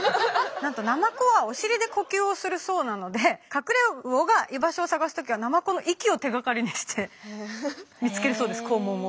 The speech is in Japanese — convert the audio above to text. ナマコはお尻で呼吸をするそうなのでカクレウオが居場所を探すときはナマコの息を手がかりにして見つけるそうです肛門を。